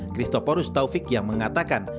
kristoporus taufik yang mengatakan